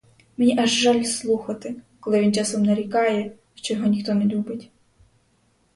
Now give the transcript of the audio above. Мені аж жаль слухати, коли він часом нарікає, що його ніхто не любить.